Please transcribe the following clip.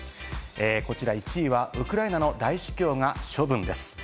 １位はウクライナの大主教が処分です。